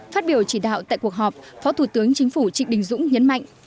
phát biểu chỉ đạo tại cuộc họp phó thủ tướng chính phủ trịnh đình dũng nhấn mạnh